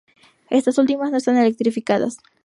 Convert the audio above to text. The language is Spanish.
Estas últimas no están electrificadas.